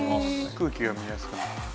空気が見えやすくなる。